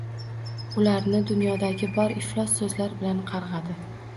Ularni dunyodagi bor iflos soʻzlar bilan qargʻardi.